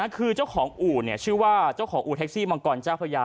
ขือเจ้าของอู่ชื่อว่าทักซี่มังกรจ้าพระยา